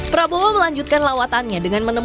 prabowo melanjutkan lawatannya dengan menemukan